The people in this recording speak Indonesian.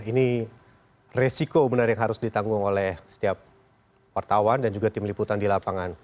ini resiko benar yang harus ditanggung oleh setiap wartawan dan juga tim liputan di lapangan